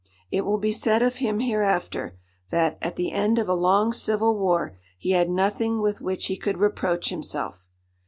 It will be said of him hereafter, that at the end of a long civil war he had nothing with which he could reproach himself.